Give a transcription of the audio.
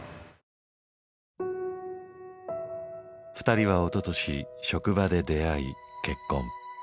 ２人はおととし職場で出会い結婚。